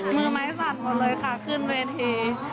มือไม้สั่นหมดเลยค่ะขึ้นเวที